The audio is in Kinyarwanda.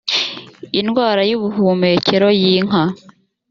indwara y’ubuhumekero y’inka